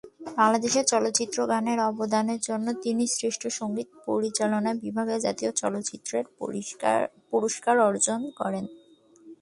বাংলাদেশের চলচ্চিত্রের গানে অবদানের জন্য তিনি শ্রেষ্ঠ সঙ্গীত পরিচালক বিভাগে জাতীয় চলচ্চিত্র পুরস্কার অর্জন করেন।